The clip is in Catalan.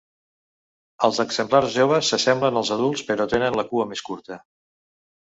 Els exemplars joves s'assemblen als adults, però tenen la cua més curta.